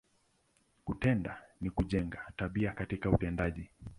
Kutenda, ni kujenga, tabia katika utendaji.